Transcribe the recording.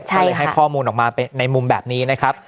ก็เลยให้ข้อมูลออกมาในมุมแบบนี้นะครับ